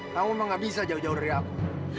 kamu memang nggak bisa jauh jauh dari aku